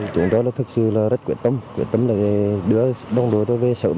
chúng tôi thực sự rất quyết tâm quyết tâm để đưa đồng đội tôi về sớm